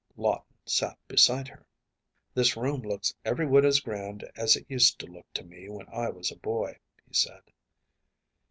Lawton sat beside her. “This room looks every whit as grand as it used to look to me when I was a boy,‚ÄĚ he said.